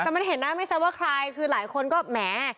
แต่มันเห็นหน้าไม่ชัดว่าใครคือหลายคนก็แหม